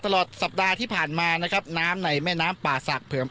ตลอดสัปดาห์ที่ผ่านมานะครับน้ำในแม่น้ำป่าศักดิม